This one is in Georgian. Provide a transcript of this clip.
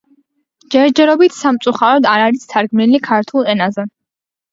ჯერჯერობით სამწუხაროდ არ არის თარგმნილი ქართულ ენაზე.